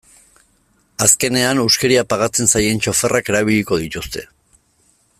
Azkenean, huskeria pagatzen zaien txoferrak erabiliko dituzte.